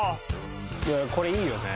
これいいよね。